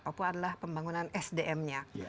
papua adalah pembangunan sdm nya